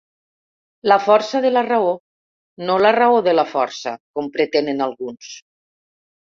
La força de la raó, no la raó de la força, com pretenen alguns.